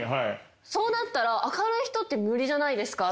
そうなったら明るい人って無理じゃないですか？